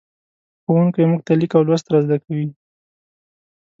ښوونکی موږ ته لیک او لوست را زدهکوي.